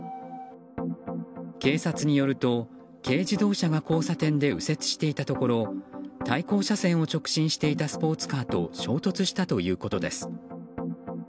警察によると軽自動車が交差点で右折していたところ対向車線を直進していたスポーツカーと衝突したということです。